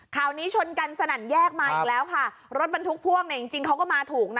นี้ชนกันสนั่นแยกมาอีกแล้วค่ะรถบรรทุกพ่วงเนี่ยจริงจริงเขาก็มาถูกนะ